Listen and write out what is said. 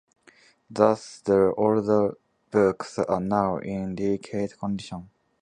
Thus, the older books are now in delicate condition.